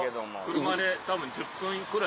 車でたぶん１０分くらい。